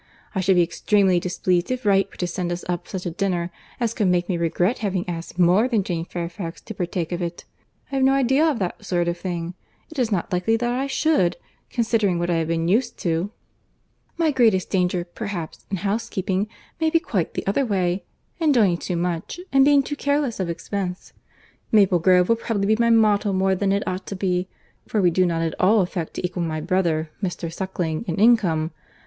—I should be extremely displeased if Wright were to send us up such a dinner, as could make me regret having asked more than Jane Fairfax to partake of it. I have no idea of that sort of thing. It is not likely that I should, considering what I have been used to. My greatest danger, perhaps, in housekeeping, may be quite the other way, in doing too much, and being too careless of expense. Maple Grove will probably be my model more than it ought to be—for we do not at all affect to equal my brother, Mr. Suckling, in income.